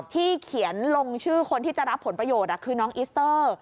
ที่เขียนลงชื่อคนที่จะรับผลประโยชน์คือน้องอิสเตอร์